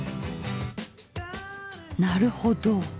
なるほど！